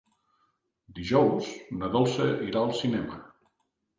Dijous na Dolça irà al cinema.